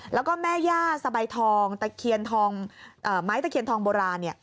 แล้วก็แม่ย่าสบายทองตะเคียนทองไม้ตะเคียนทองโบราณเนี่ย